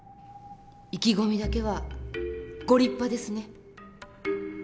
意気込みだけはご立派ですね。